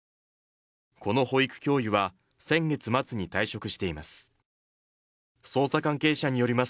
この保育教諭は先月末に退職しています。